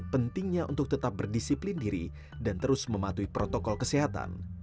pentingnya untuk tetap berdisiplin diri dan terus mematuhi protokol kesehatan